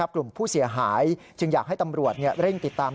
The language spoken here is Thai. กลุ่มผู้เสียหายจึงอยากให้ตำรวจเร่งติดตาม